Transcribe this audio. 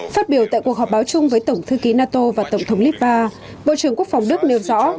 phát biểu tại cuộc họp báo chung với tổng thư ký nato và tổng thống litva bộ trưởng quốc phòng đức nêu rõ